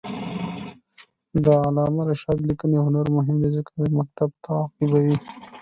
د علامه رشاد لیکنی هنر مهم دی ځکه چې مکتب تعقیبوي.